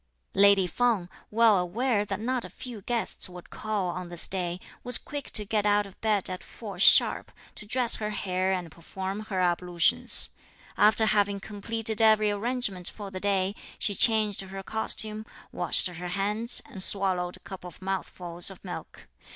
Lady Feng, well aware that not a few guests would call on this day, was quick to get out of bed at four sharp, to dress her hair and perform her ablutions. After having completed every arrangement for the day, she changed her costume, washed her hands, and swallowed a couple of mouthfuls of milk.